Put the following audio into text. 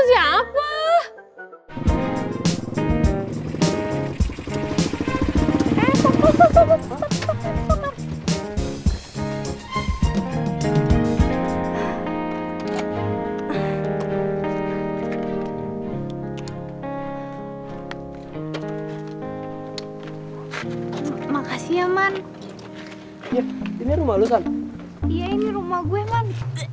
iya ini rumah gue man